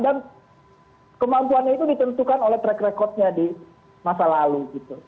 dan kemampuannya itu ditentukan oleh track record nya di masa lalu